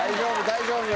大丈夫！